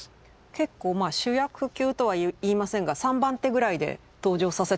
結構主役級とは言いませんが３番手ぐらいで登場させてしまってるってことですよね。